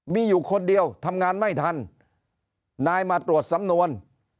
มีอยู่คนเดียวทำงานไม่ทันนายมาตรวจสำนวน